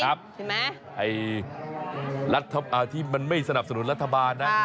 ใช่ไหมรัฐที่มันไม่สนับสนุนรัฐบาลนะ